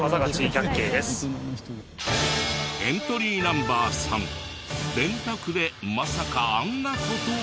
エントリーナンバー３電卓でまさかあんな事を。